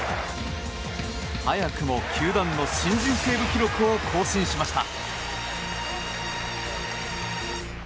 早くも球団の新人セーブ記録を更新しました。